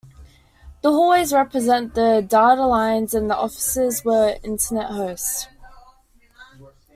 The hallways represent the data lines and the offices were internet hosts.